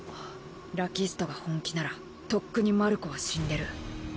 ラキストが本気ならとっくにマルコは死んでる。